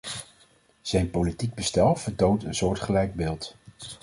Zijn politiek bestel vertoont een soortgelijk beeld.